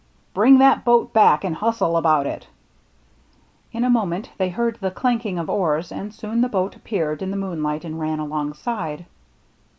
" Bring that boat back and hustle about it." In a moment they heard the clanking of BURNT COVE 129 oars, and soon the boat appeared in the moon light and ran alongside.